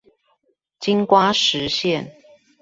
金瓜石線